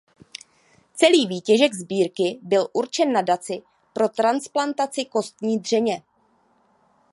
Celý výtěžek sbírky byl určen Nadaci pro transplantaci kostní dřeně.